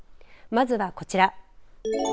まずはこちら。